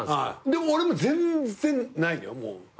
でも俺全然ない。